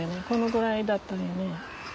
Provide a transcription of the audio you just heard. このぐらいだったよね。